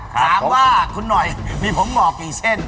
คำว่าคุณหน่อยมีผมหมากอย่างเช่น